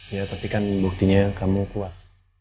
ya tapi kan buktinya kamu kuat